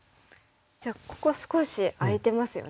じゃあここ少し空いてますよね